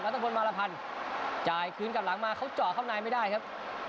ตะพลมารพันธ์จ่ายคืนกลับหลังมาเขาเจาะข้างในไม่ได้ครับ